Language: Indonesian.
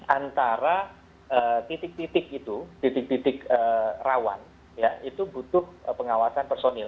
antara titik titik itu titik titik rawan ya itu butuh pengawasan personil